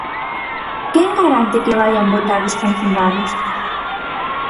Quen garante que vaian votar os confinados?